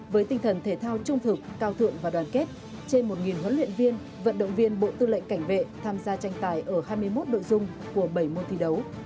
với tinh thần thể thao trung thực cao thượng và đoàn kết trên một huấn luyện viên vận động viên bộ tư lệnh cảnh vệ tham gia tranh tài ở hai mươi một đội dung của bảy môn thi đấu